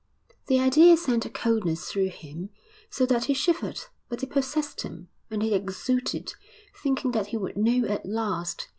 The idea sent a coldness through him, so that he shivered; but it possessed him, and he exulted, thinking that he would know at last.